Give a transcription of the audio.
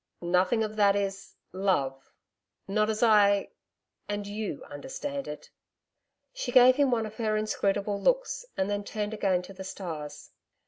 'Nothing of that is love not as I and you understand it.' She gave him one of her inscrutable looks and then turned again to the stars.